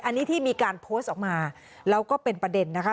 อันนี้ที่มีการโพสต์ออกมาแล้วก็เป็นประเด็นนะคะ